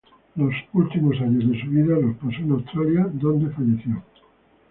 Los últimos años de su vida los pasó en Australia donde falleció.